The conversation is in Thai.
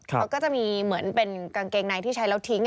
เขาก็จะมีเหมือนเป็นกางเกงในที่ใช้แล้วทิ้ง